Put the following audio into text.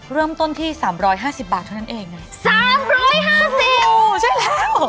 เริ่มต้นที่สามร้อยห้าสิบบาทเท่านั้นเองสามร้อยห้าสิบเอวใช่แล้ว